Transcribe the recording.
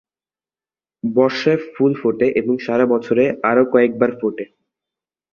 বর্ষায় ফুল ফোটে এবং সারা বছরে আরো কয়েকবার ফোটে।